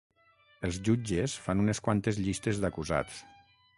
Els jutges fan unes quantes llistes d'acusats.